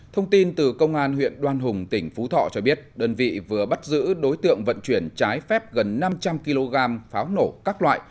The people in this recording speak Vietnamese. thông tin từ công an huyện đoan hùng tỉnh phú thọ cho biết đơn vị vừa bắt giữ đối tượng vận chuyển trái phép gần năm trăm linh kg pháo nổ các loại